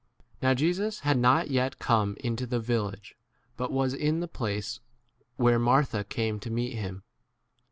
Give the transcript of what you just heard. Now Jesus had not yet come into the village, but was in the place where 31 Martha came to meet him.